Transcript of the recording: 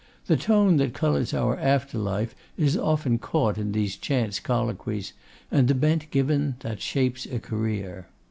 The tone that colours our afterlife is often caught in these chance colloquies, and the bent given that shapes a career.